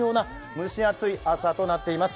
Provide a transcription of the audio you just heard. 蒸し暑い朝となっています。